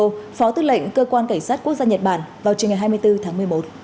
theo phó tư lệnh cơ quan cảnh sát quốc gia nhật bản vào trường ngày hai mươi bốn tháng một mươi một